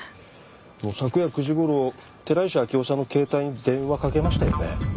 昨夜９時ごろ寺石明生さんの携帯に電話かけましたよね。